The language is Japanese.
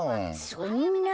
そんなあ。